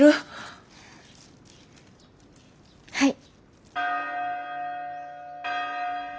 はい。